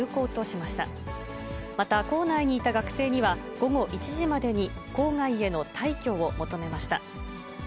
また構内にいた学生には、午後１時までに構外への退去を求めました。